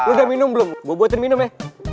eh lu udah minum belum gue buatin minum ya